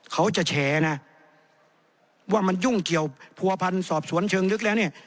แฉนะว่ามันยุ่งเกี่ยวผัวพันธ์สอบสวนเชิงลึกแล้วเนี่ย